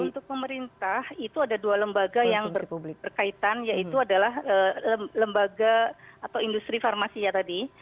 untuk pemerintah itu ada dua lembaga yang berkaitan yaitu adalah lembaga atau industri farmasinya tadi